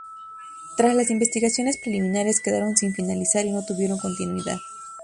Todas las investigaciones preliminares quedaron sin finalizar y no tuvieron continuidad.